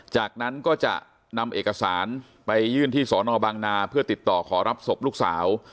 จากนั้นก็จะนำเอกสารไปยื่นที่สอนอบางนาเพื่อติดต่อขอรับศพลูกสาว